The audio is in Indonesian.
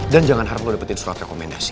dan jangan harap lo dapetin surat rekomendasi